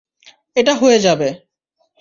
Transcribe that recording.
এটা হয়ে যাবে।